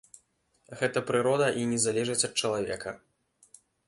Гэта прырода і не залежыць ад чалавека.